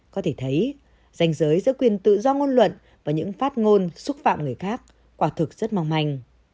có thể thấy danh giới giữa quyền tự do ngôn luận và những phát ngôn xúc phạm người khác quả thực rất mong manh